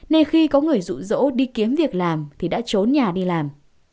nên khi có người rụ rỗ đi kiếm việc làm thì đã trốn nhà đi làm